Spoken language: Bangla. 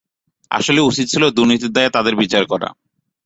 আসলে উচিত ছিল দুর্নীতির দায়ে তাঁদের বিচার করা।